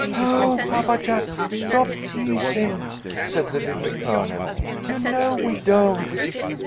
"Oh, Papa Jack, stop teasin'!" said the Little Colonel. "You know we don't!"